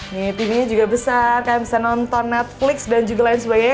nih tv nya juga besar kayak bisa nonton netflix dan juga lain sebagainya